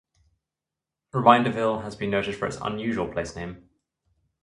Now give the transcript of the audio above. Reminderville has been noted for its unusual place name.